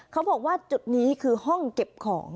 เขาบอกว่าจุดนี้คือห้องเก็บของ